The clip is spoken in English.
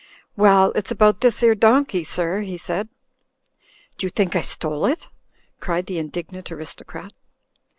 'Well, it's about this 'ere donkey, sir," he said. "Do you think I stole it?" cried the indignant aris tocrat.